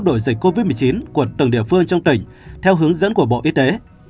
đổi dịch covid một mươi chín của từng địa phương trong tỉnh theo hướng dẫn của bộ y tế